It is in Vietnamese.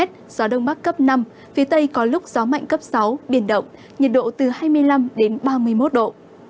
gió đông bắc cấp năm phía tây có lúc gió mạnh cấp sáu biển động nhiệt độ từ hai mươi năm đến ba mươi một độ